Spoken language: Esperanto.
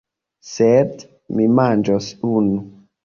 Sed mi manĝos unu!